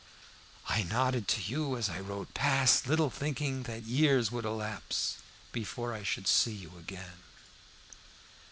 I nodded to you as I rode past, little thinking that years would elapse before I should see you again.